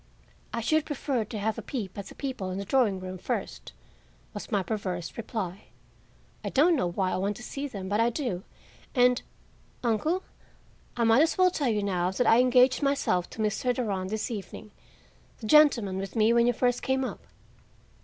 "I should prefer to have a peep at the people in the drawing room first," was my perverse reply. "I don't know why I want to see them, but I do; and, uncle, I might as well tell you now that I engaged myself to Mr. Durand this evening—the gentleman with me when you first came up."